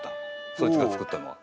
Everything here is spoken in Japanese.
そいつがつくったのは。